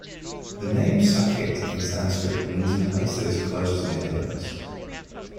The name Saket in Sanskrit means a place that is close to the heavens.